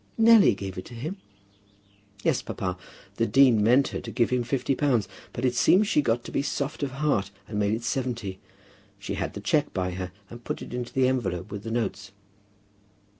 "Nelly gave it to him?" "Yes, papa. The dean meant her to give him fifty pounds. But it seems she got to be soft of heart and made it seventy. She had the cheque by her, and put it into the envelope with the notes."